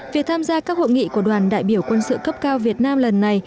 việc tham gia các hội nghị của đoàn đại biểu quân sự cấp cao việt nam lần này